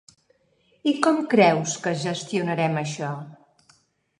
I com creus que gestionarem això?